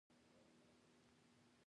لومړی به د جګړې ډګر وګورو.